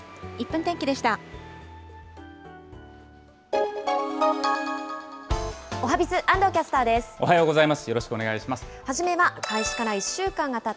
１分天気でした。